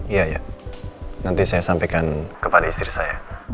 iya ya nanti saya sampaikan kepada istri saya